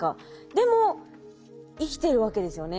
でも生きてるわけですよね。